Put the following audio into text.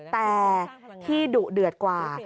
แต่ที่ดุเดือดกว่า